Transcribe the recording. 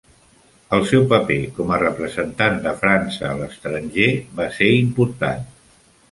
El seu paper com a representant de França a l'estranger va ser important.